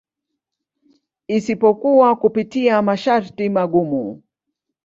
Isipokuwa kupitia masharti magumu.